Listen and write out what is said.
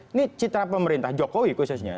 ini citra pemerintah jokowi khususnya